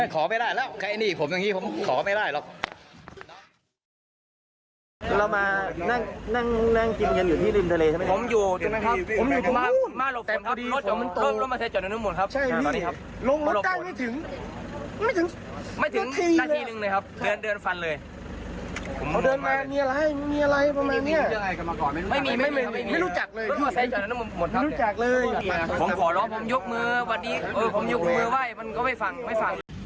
ผมขอร้องผมยกมือไว่ไปไม่ฟัง